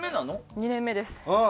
２年目です。